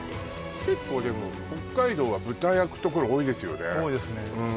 結構でも北海道は豚焼くところ多いですよね多いですね